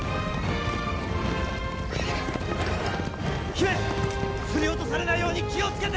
姫振り落とされないように気を付けて！